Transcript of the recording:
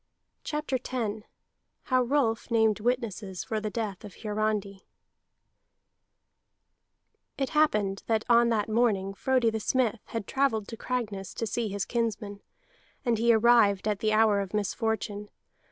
CHAPTER X HOW ROLF NAMED WITNESSES FOR THE DEATH OF HIARANDI It happened that on that morning Frodi the Smith had travelled to Cragness to see his kinsmen, and he arrived at the hour of misfortune.